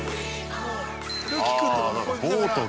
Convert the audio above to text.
◆ボートで。